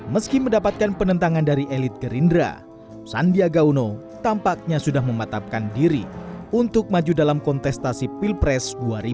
meski mendapatkan penentangan dari elit gerindra sandiaga uno tampaknya sudah mematapkan diri untuk maju dalam kontestasi pilpres dua ribu dua puluh